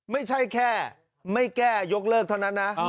ไม่ใช่แค่ไม่แก้ยกเลิกเท่านั้นนะ